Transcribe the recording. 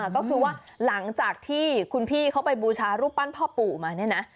ก็คือว่าหลังจากที่คุณพี่เขาไปบูชารูปปั้นพ่อปู่มาเนี่ยนะ